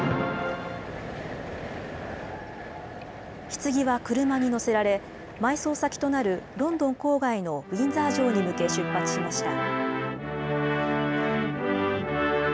ひつぎは車に乗せられ埋葬先となるロンドン郊外のウィンザー城に向け出発しました。